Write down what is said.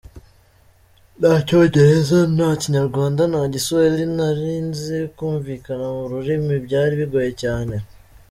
Nta Cyongereza, nta Kinyarwanda, nta Giswahili nari nzi, kumvikana mu rurimi byari bigoye cyane.